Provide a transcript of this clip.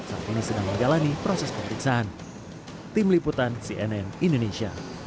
saat ini sedang mengalami proses penting